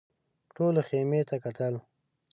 ټولو خيمې ته کتل.